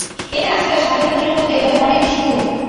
এটা আসলে সাধারণ হিরোর মতোই তবে অনেক বেশি কুল।